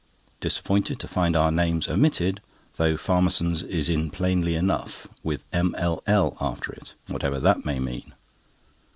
Disappointed to find our names omitted, though Farmerson's is in plainly enough with M.L.L. after it, whatever that may mean.